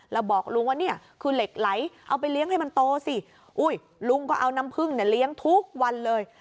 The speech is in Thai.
แล้วบอกลุงว่าเนี่ยคือเหล็กไหลเอาไปเลี้ยงให้มันโตสิลุงก็เอาน้ำพึ่งเนี่ยเลี้ยงทุกวันเลย